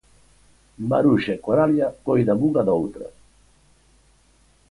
Maruxa e Coralia coidan unha da outra.